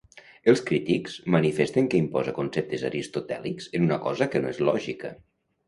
Els crítics manifesten que imposa conceptes aristotèlics en una cosa que no és lògica.